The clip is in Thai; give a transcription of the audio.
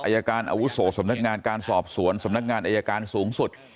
อายการอาวุโสสำนักงานการสอบสวนสำนักงานอายการสูงสุด